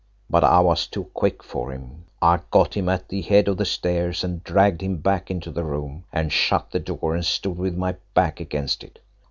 But I was too quick for him. I got him at the head of the stairs and dragged him back into the room and shut the door and stood with my back against it.